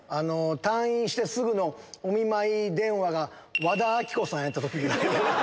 退院してすぐのお見舞い電話が和田アキ子さんやった時ぐらい。